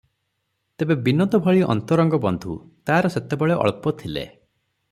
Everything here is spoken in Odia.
ତେବେ ବିନୋଦ ଭଳି ଅନ୍ତରଙ୍ଗ ବନ୍ଧୁ ତାର ସେତେବେଳେ ଅଳ୍ପ ଥିଲେ ।